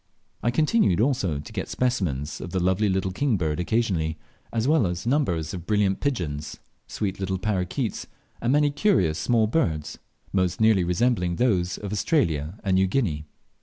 I continued also to get specimens of the lovely little king bird occasionally, as well as numbers of brilliant pigeons, sweet little parroquets, and many curious small birds, most nearly resembling those of Australia and New Guinea.